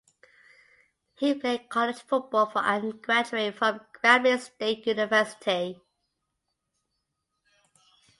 He played college football for and graduated from Grambling State University.